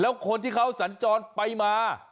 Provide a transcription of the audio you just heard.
แล้วคนที่เขาสัญจรไปมา